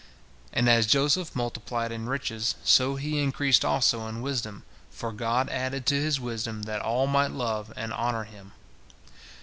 And as Joseph multiplied in riches, so he increased also in wisdom, for God added to his wisdom that all might love and honor him.